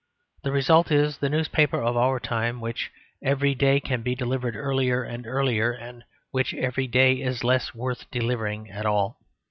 The result is the newspaper of our time, which every day can be delivered earlier and earlier, and which, every day, is less worth delivering at all.